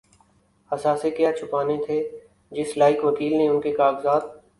اثاثے کیا چھپانے تھے‘ جس لائق وکیل نے ان کے کاغذات